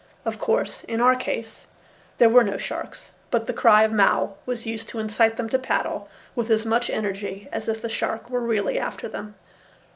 Of course, in our case there were no sharks, but the cry of mao was used to incite them to paddle with as much energy as if a shark were really after them.